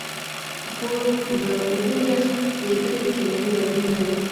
خو د اوبو یخ کیدل کیمیاوي بدلون نه دی